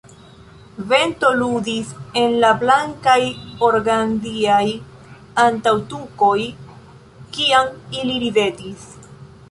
Vento ludis en la blankaj organdiaj antaŭtukoj kiam ili ridetis.